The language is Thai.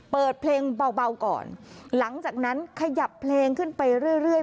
เปิดเพลงเบาก่อนหลังจากนั้นขยับเพลงขึ้นไปเรื่อย